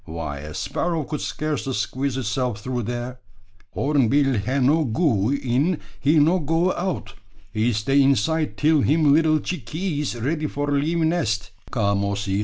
Why, a sparrow could scarcely squeeze itself through there!" "Horneebill he no goee in, he no goee out. He stay inside till him little chickees ready for leavee nest." "Come, Ossy!"